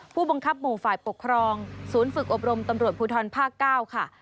ผู้บังคับหมู่ฝ่ายปกครองศูนย์ฝึกอบรมตำรวจภูทรภาค๙ค่ะ